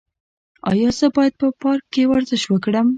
ایا زه باید په پارک کې ورزش وکړم؟